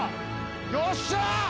よっしゃあ！